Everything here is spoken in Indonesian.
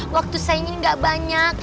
waktu saya ingin gak banyak